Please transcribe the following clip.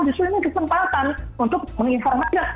justru ini kesempatan untuk menginformasikan